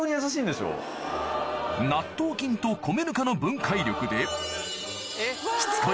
納豆菌と米ぬかの分解力でしつこい